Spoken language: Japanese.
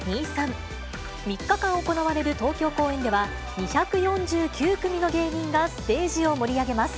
３日間行われる東京公演では、２４９組の芸人がステージを盛り上げます。